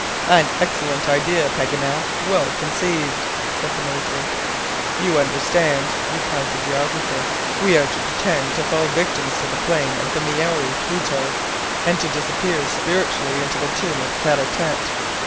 "An excellent idea, Paganel; well conceived," said the Major. "You understand," replied the geographer, "we are to pretend to fall victims to the flames of the Maori Pluto, and to disappear spiritually into the tomb of Kara Tete.